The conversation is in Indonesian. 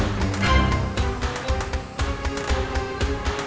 jangan terlife pertahanan analisa biasa kanan ke laluedsah daripadaif z